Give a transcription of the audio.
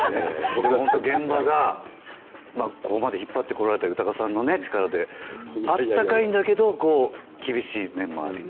現場が、ここまで引っ張ってこられた豊さんの力で温かいんだけど厳しい面もある。